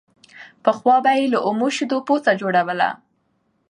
پخوا به يې له اومو شيدو پوڅه جوړوله